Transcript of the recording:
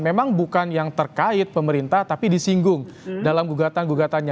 memang bukan yang terkait pemerintah tapi disinggung dalam gugatan gugatannya